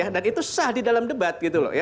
dan itu sah di dalam debat